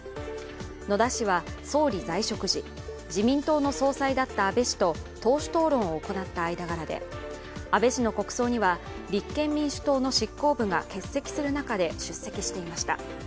野田氏は総理在職時、自民党の総裁だった安倍氏と党首討論を行った間柄で安倍氏の国葬には立憲民主党の執行部が欠席する中で出席していました。